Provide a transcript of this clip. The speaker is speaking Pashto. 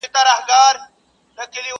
پېړۍ به یې سولېږي د نسلونو پر قبرونو،